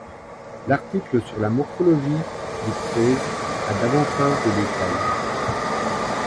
L'article sur la morphologie du tsez a davantage de détails.